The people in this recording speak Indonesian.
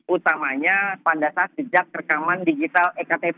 utamanya pada saat sejak rekaman digital ektp